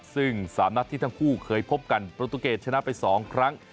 ซึ่ง๓นัดที่ทั้งคู่เคยพบกันประตูเกตชนะไป๒ครั้ง